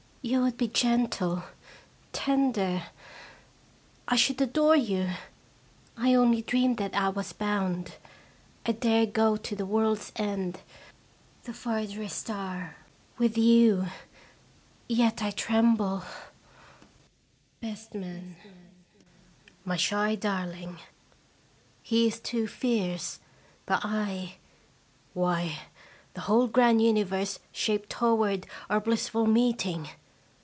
You would be gentle, tender. 1 should adore you ! I only dreamed that I was bound. I dare go to the world's end, the fartherest star, with you yet I tremble 91 92 lje Nigljt Before ttye Best Man. My shy darling ! He is too fierce, but / why, the whole grand universe shaped toward ottr blissful meeting